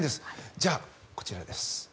じゃあ、こちらです。